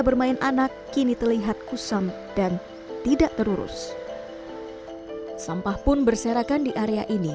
bermain anak kini terlihat kusam dan tidak terurus sampah pun berserakan di area ini